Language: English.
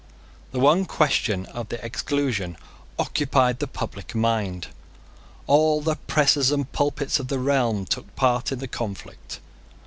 The one question of the Exclusion occupied the public mind. All the presses and pulpits of the realm took part in the conflict.